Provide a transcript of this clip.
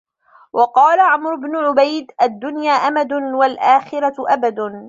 وَقَالَ عَمْرُو بْنُ عُبَيْدٍ الدُّنْيَا أَمَدٌ وَالْآخِرَةُ أَبَدٌ